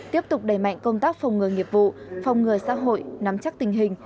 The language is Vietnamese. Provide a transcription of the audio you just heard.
tiếp tục đẩy mạnh công tác phòng ngừa nghiệp vụ phòng ngừa xã hội nắm chắc tình hình